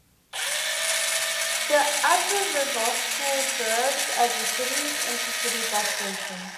The Avtovokzal serves as the city's intercity bus station.